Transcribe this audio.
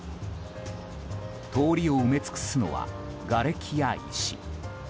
通りを埋め尽くすのはがれきや石。